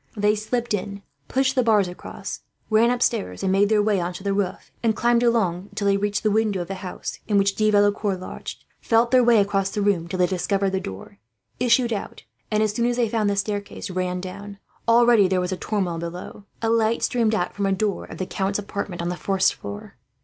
They slipped in, pushed the bars across, ran upstairs and made their way on to the roof, and climbed along it until they reached the window of the house in which De Valecourt lodged; felt their way across the room till they discovered the door, issued out and, as soon as they found the staircase, ran down. Already there was a turmoil below. A light streamed out from a door of the count's apartments on the first floor.